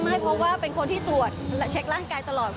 ไม่เพราะว่าเป็นคนที่ตรวจและเช็คร่างกายตลอด